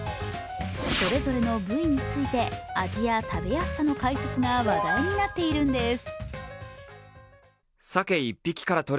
それぞれの部位について味や食べやすさの解説が話題になっているんです。